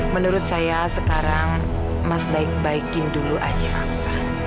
menurut saya sekarang mas baik baikin dulu aja